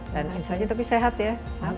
dan insya allah tapi sehat ya